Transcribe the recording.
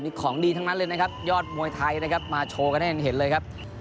นี่ของดีทั้งนั้นเลยนะครับยอดมวยไทยนะครับมาโชว์กันให้เห็นเลยครับ